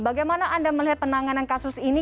bagaimana anda melihat penanganan kasus ini